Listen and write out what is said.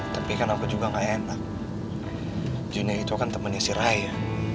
tapi kan aku juga gak enak junior itu kan temennya si raya